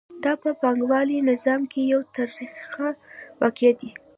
دا په پانګوالي نظام کې یو تریخ واقعیت دی